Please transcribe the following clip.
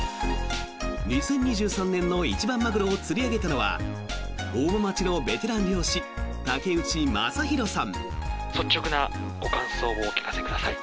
２０２３年の一番マグロを釣り上げたのは大間町のベテラン漁師竹内正弘さん。